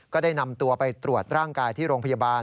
ก็ได้นำตัวไปตรวจร่างกายที่โรงพยาบาล